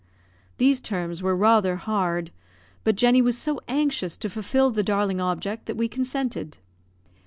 These terms were rather hard, but Jenny was so anxious to fulfil the darling object that we consented.